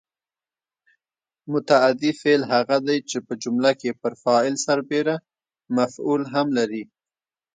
متعدي فعل هغه دی چې په جمله کې پر فاعل سربېره مفعول هم لري.